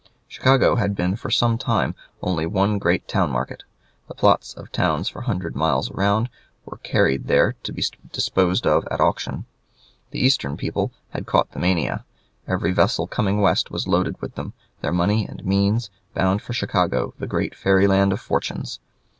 Chicago had been for some time only one great town market. The plots of towns for a hundred miles around were carried there to be disposed of at auction. The Eastern people had caught the mania. Every vessel coming west was loaded with them, their money and means, bound for Chicago, the great fairy land of fortunes.